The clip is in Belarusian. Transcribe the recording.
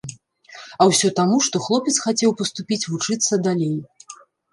А ўсё таму, што хлопец хацеў паступіць вучыцца далей.